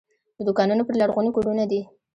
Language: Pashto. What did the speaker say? د دوکانونو پر لرغوني کورونه دي.